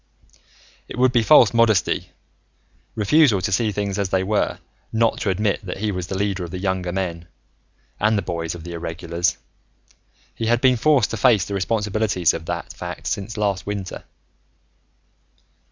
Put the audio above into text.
It would be false modesty, refusal to see things as they were, not to admit that he was the leader of the younger men, and the boys of the Irregulars. He had been forced to face the responsibilities of that fact since last winter.